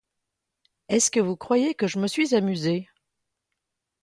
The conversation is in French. Est-ce que vous croyez que je me suis amusée?